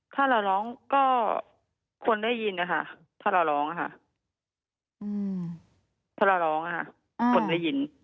ถ้าเราร้องก็ควรได้ยินค่ะ